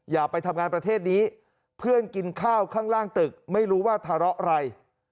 อย่าไปทำงานประเทศนี้เพื่อนกินข้าวข้างล่างตึกไม่รู้ว่าทะเลาะอะไร